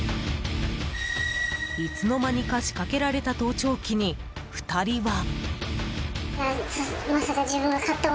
いつの間にか仕掛けられた盗聴器に、２人は。